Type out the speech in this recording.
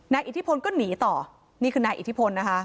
อิทธิพลก็หนีต่อนี่คือนายอิทธิพลนะคะ